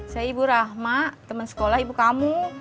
saya ibu rahma teman sekolah ibu kamu